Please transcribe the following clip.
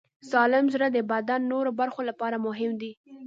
سالم زړه د بدن د نورو برخو لپاره مهم دی.